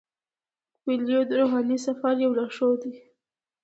کویلیو د روحاني سفر یو لارښود دی.